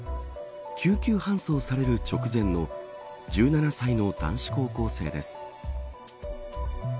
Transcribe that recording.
救急搬送される直前の１７歳の男子高校生です。